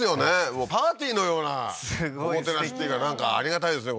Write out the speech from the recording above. もうパーティーのようなおもてなしっていうかなんかありがたいですね